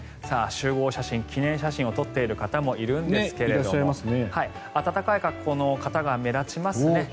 集合写真、記念写真を撮っている方もいるんですが暖かい格好の方が目立ちますね。